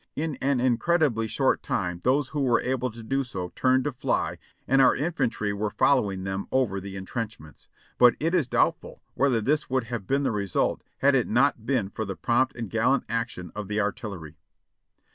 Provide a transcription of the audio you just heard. In an incredibly short time those who were able to do so turned to fly and our infantry were following them over the en trenchments ; but it is doubtful whether this would have been the result had it not been for the prompt and gallant action of the artillery."